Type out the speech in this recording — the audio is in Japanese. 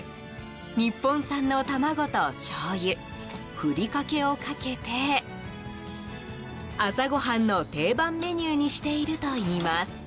日本産の卵と、しょうゆふりかけをかけて朝ごはんの定番メニューにしているといいます。